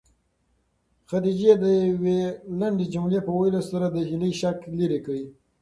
خدیجې د یوې لنډې جملې په ویلو سره د هیلې شک لیرې کړ.